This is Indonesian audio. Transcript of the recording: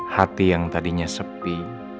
hati yang tadinya sepi